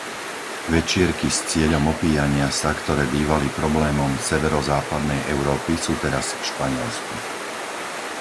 Večierky s cieľom opíjania sa, ktoré bývali problémom severozápadnej Európy, sú teraz v Španielsku.